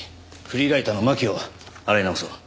フリーライターの巻を洗い直そう。